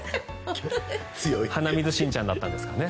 鼻水しんちゃんだったんですかね。